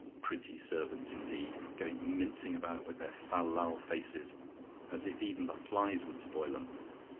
Pretty servants, indeed! going mincing about with their fal lal faces, as if even the flies would spoil 'em.